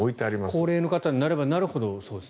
高齢の方になればなるほどそうですね。